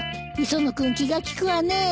磯野君気が利くわね。